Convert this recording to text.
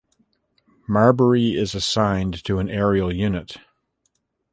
Marbury is assigned to an aerial unit.